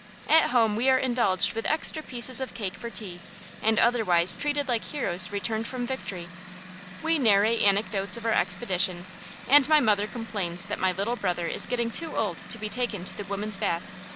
At home we are indulged with extra pieces of cake for tea, and otherwise treated like heroes returned from victory. We narrate anecdotes of our expedition, and my mother complains that my little brother is getting too old to be taken to the women's bath.